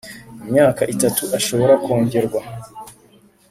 imyaka itatu ashobora kongerwa.